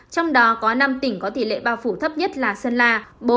trong đó có năm tỉnh có tỷ lệ bao phủ thấp nhất là sơn la bốn mươi năm năm